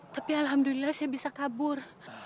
tapi alhamdulillah saya bisa kabur